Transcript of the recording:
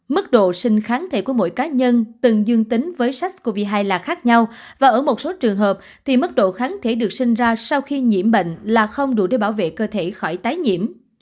mức độ sinh kháng thể của mỗi cá nhân từng dương tính với sars cov hai là khác nhau và ở một số trường hợp thì mức độ kháng thể được sinh ra sau khi nhiễm bệnh là không đủ để bảo vệ cơ thể khỏi tái nhiễm